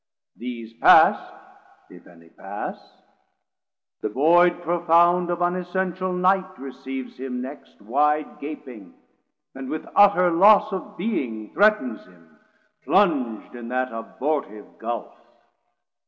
These past, if any pass, the void profound Of unessential Night receives him next Wide gaping, and with utter loss of being 440 Threatens him, plung'd in that abortive gulf.